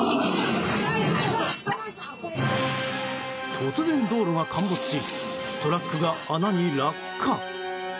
突然、道路が陥没しトラックが穴に落下。